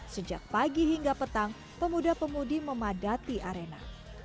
sejak pagi hingga petang pemuda pemudi memadati arena